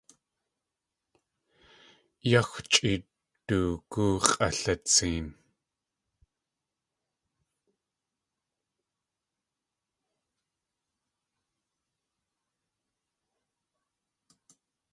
Yáxwchʼi doogú x̲ʼalitseen.